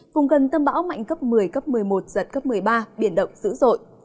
vùng gần tâm bão mạnh cấp một mươi cấp một mươi một giật cấp một mươi ba biển động dữ dội